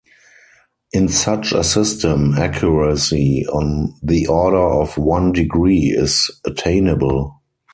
In such a system, accuracy on the order of one degree is attainable.